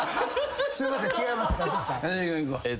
すいません違います勝地さん。